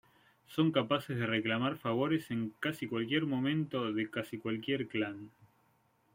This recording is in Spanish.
Son capaces de reclamar favores en casi cualquier momento de casi cualquier clan.